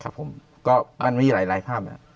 ผมก็มันมีหลายภาพนะครับ